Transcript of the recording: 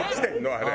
あれ。